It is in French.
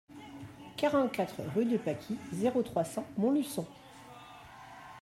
quarante-quatre rue de Pasquis, zéro trois, cent Montluçon